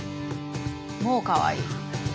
もうかわいい！